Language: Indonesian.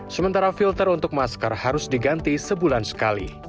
sementara filter untuk masker harus diganti sebulan sekali